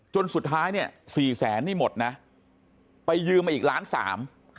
จนสุดท้ายสี่แสนนี่หมดไปยืมอีกล้านสาม